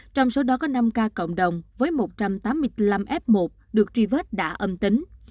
trong số đó có năm ca cộng đồng với một trăm tám mươi năm f một được truy vết đã âm tính